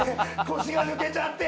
腰が抜けちゃって。